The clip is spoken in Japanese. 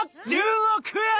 １０億円！